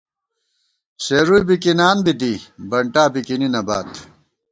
سېرُوئی بِکِنان بی دی ، بنٹا بِکِنی نہ بات